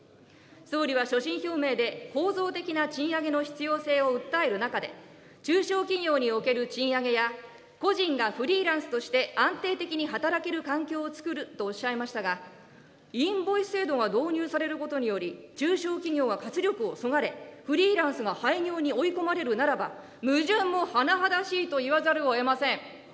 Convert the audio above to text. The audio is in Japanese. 総理は、所信表明で構造的な賃上げの必要性を訴える中で、中小企業における賃上げや、個人がフリーランスとして安定的に働ける環境をつくるとおっしゃいましたが、インボイス制度が導入されることにより、中小企業が活力をそがれ、フリーランスが廃業に追い込まれるならば、矛盾もはなはだしいといわざるをえません。